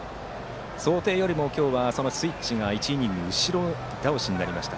想定よりも、そのスイッチが今日は１イニング後ろ倒しになりました。